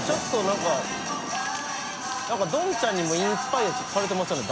）なんかどんちゃんにもインスパイアされてますよね。